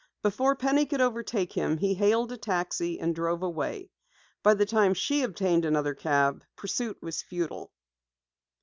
Before Penny could overtake him he hailed a taxi and drove away. By the time she obtained another cab, pursuit was futile.